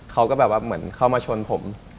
เค้ามาชนผม